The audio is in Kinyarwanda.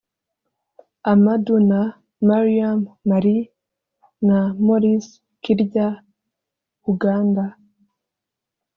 Amadou na Mariam (Mali) na Maurice Kirya (Uganda)